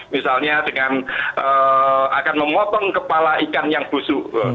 misalnya dengan akan memotong kepala ikan yang busuk